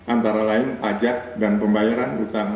antara lain pajak dan pembayaran utama